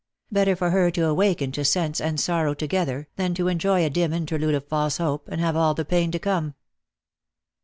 Better for her to awaken to sense and sorrow together, than to enjoy a dim interlude of false hope, and to have all the pain to come.